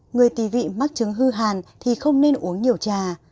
người tì vị mắc trứng hư hàn thì không nên uống nhiều trà